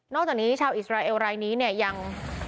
จากนี้ชาวอิสราเอลรายนี้เนี่ยยัง